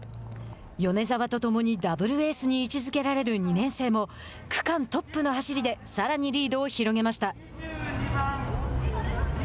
米澤と共に「ダブルエース」に位置づけられる２年生も区間トップの走りでさらにリードを広げました。